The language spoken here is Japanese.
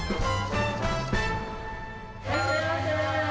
いらっしゃいませ。